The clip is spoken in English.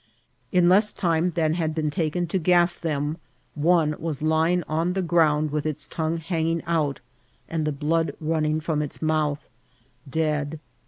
In less time than had been taken to gafl* them, one was lying on the ground with its tongue hanging out, and the blood running ttom its mouth, dead.